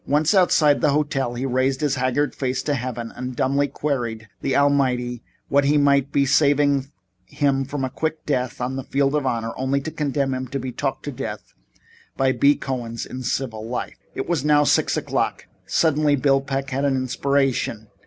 Once outside the hotel he raised his haggard face to heaven and dumbly queried of the Almighty what He meant by saving him from quick death on the field of honor only to condemn him to be talked to death by B. Cohens in civil life. It was now six o'clock. Suddenly Peck had an inspiration.